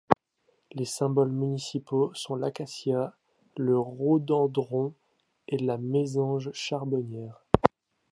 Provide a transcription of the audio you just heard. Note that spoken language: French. Les symboles municipaux sont l'acacia, le rhododendron et la mésange charbonnière.